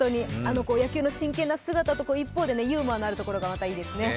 野球の真剣な姿と一方でユーモアのあるところがまたいいですね。